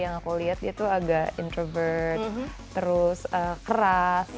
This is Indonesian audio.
yang aku lihat dia tuh agak introvert terus keras